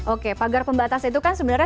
oke pagar pembatas itu kan sebenarnya